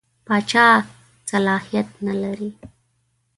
پاچا صلاحیت نه لري.